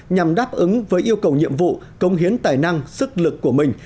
nhằm đáp ứng với yêu cầu nhiệm vụ công hiến tài năng sức lực của mình